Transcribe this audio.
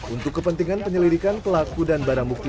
untuk kepentingan penyelidikan pelaku dan barang bukti